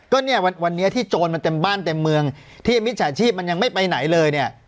ก็เนี่ยวันนี้ที่โจรมันเต็มบ้านเต็มเมืองที่มิจฉาชีพมันยังไม่ไปไหนเลยเนี่ย